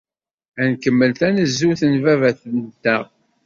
Ad nkemmel tanezzut n baba-tenteɣ.